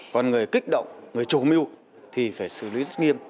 còn người kích động người chủ mưu thì phải xử lý rất nghiêm